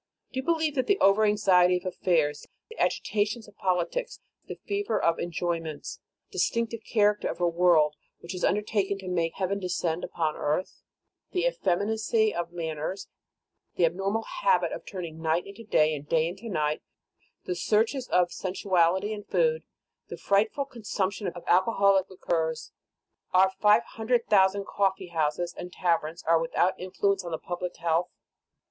Do you believe that the over anxiety of affairs, the agitations of politics, the fever of enjoyments, distinctive character of a world which has undertaken to make heaven des cend upon earth; the effeminacy of manners, the abnormal habit of turning night into day and day into night, the searches of sensuality in food, the frightful consumption of alcoholic liquors, our five hundred thousand coffee Tn the Nineteenth Century. 299 houses and taverns are without influence on the public health?